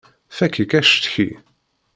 Fakk-ik acetki!